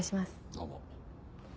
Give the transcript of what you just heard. どうも。